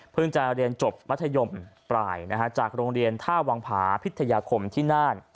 จะเรียนจบมัธยมปลายจากโรงเรียนท่าวังผาพิทยาคมที่น่าน